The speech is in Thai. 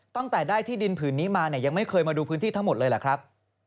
ตั้งแต่ได้ที่ดินผืนนี้มาเนี่ยยังไม่เคยมาดูพื้นที่ทั้งหมดเลยเหรอครับ